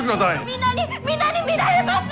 皆に皆に見られます！